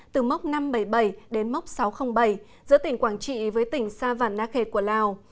từ mốc năm trăm bảy mươi bảy đến mốc sáu trăm linh bảy giữa tỉnh quảng trị với tỉnh sa văn na khệt của lào